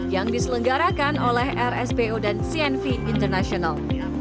yang diselenggarakan oleh rspo dan cnv international